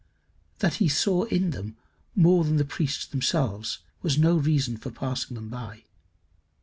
That he saw in them more than the priests themselves was no reason for passing them by.